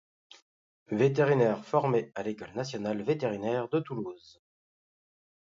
Vétérinaire formé à l'École nationale vétérinaire de Toulouse.